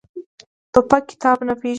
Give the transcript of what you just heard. توپک کتاب نه پېژني.